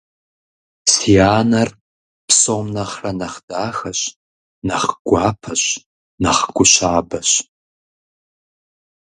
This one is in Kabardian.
Си анэр псом нэхърэ нэхъ дахэщ, нэхъ гуапэщ, нэхъ гу щабэщ.